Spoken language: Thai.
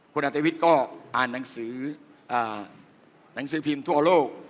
คุณอัตวิทย์ก็อ่านหนังสือหนังสือพิมพ์ทั่วโลก